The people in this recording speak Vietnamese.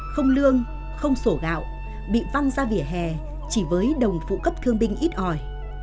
không lương không sổ gạo bị văng ra vỉa hè chỉ với đồng phụ cấp thương binh ít ỏi